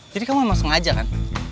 jadi kamu emang sengaja kan